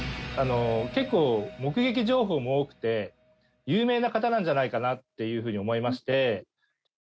結構目撃情報も多くて有名な方なんじゃないかなっていうふうに思いまして。